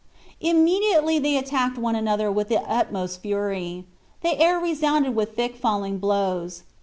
Immediately they attacked one another with the utmost fury. The air resounded with thick falling blows.